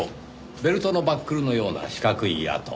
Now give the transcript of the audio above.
ベルトのバックルのような四角い痕。